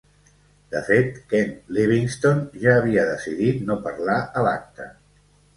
De fet, Ken Livingstone ja havia decidit no parlar a l'acte.